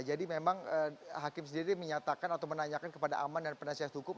jadi memang hakim sendiri menyatakan atau menanyakan kepada aman dan penasihat hukum